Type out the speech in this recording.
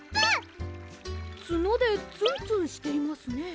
つのでツンツンしていますね。